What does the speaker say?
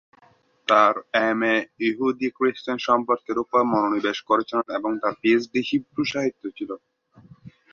তার এমএ ইহুদি-খ্রিষ্টান সম্পর্কের উপর মনোনিবেশ করেছিলেন এবং তার পিএইচডি হিব্রু সাহিত্যে ছিল।